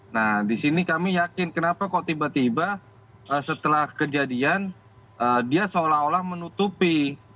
nah di sini kami yakin kenapa kok tiba tiba setelah kejadian dia seolah olah menutupi